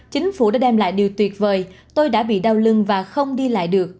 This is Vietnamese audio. chính phủ đã đem lại điều tuyệt vời tôi đã bị đau lưng và không đi lại được